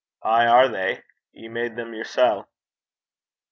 'Ay are they. Ye made them yersel'.'